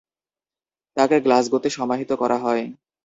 তাকে গ্লাসগোতে সমাহিত করা হয়।